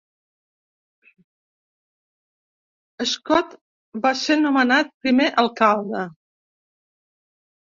Scott va ser nomenat primer alcalde.